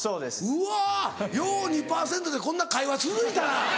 うわよう２％でこんな会話続いたな。